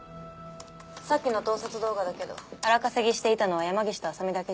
さっきの盗撮動画だけど荒稼ぎしていたのは山岸と浅見だけじゃない。